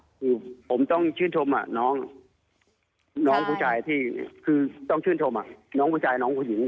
คือผมต้องชื่นชมน้องผู้ชายที่คือต้องชื่นชมน้องผู้ชายน้องผู้หญิง